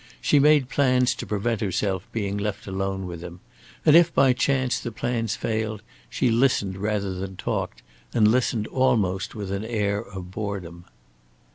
She made plans to prevent herself being left alone with him, and if by chance the plans failed she listened rather than talked and listened almost with an air of boredom.